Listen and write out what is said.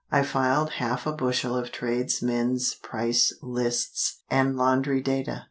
I filed half a bushel of tradesmen's price lists and laundry data.